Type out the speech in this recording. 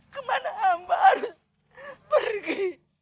kemana hamba harus pergi